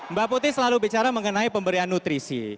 mbak putih selalu bicara mengenai pemberian nutrisi